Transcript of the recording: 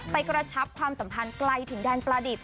กระชับความสัมพันธ์ไกลถึงแดนประดิบ